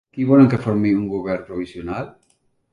Qui volen que formi un govern provisional?